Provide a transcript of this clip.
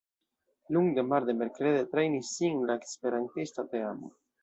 Lunde, marde, merkrede trejnis sin la esperantista teamo.